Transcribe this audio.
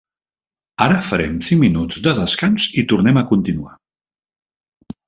Ara farem cinc minuts de descans i tornem a continuar.